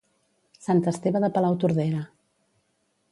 Sant Esteve de Palautordera.